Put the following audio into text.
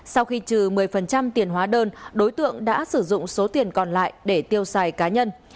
sau khi trừ một mươi tiền hóa đơn đối tượng đã sử dụng số tiền còn lại để tiêu xài cá nhân